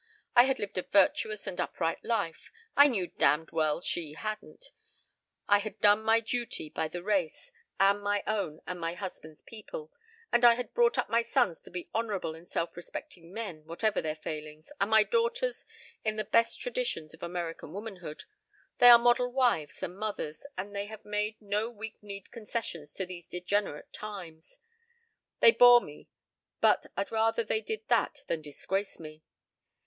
I had lived a virtuous and upright life. I knew damned well she hadn't. I had done my duty by the race and my own and my husband's people, and I had brought up my sons to be honorable and self respecting men, whatever their failings, and my daughters in the best traditions of American womanhood. They are model wives and mothers, and they have made no weak kneed concessions to these degenerate times. They bore me but I'd rather they did that than disgrace me.